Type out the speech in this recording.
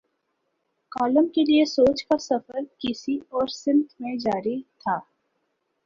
Column کے لیے سوچ کا سفر کسی اور سمت میں جاری تھا۔